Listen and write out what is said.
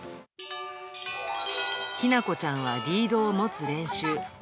日向子ちゃんはリードを持つ練習。